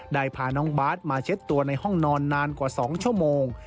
พาน้องบาทมาเช็ดตัวในห้องนอนนานกว่า๒ชั่วโมง